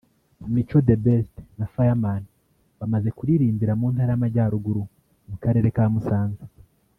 Mico The Best na Fireman bamaze kuririmbira mu Ntara y’Amajyaruguru mu Karere ka Musanze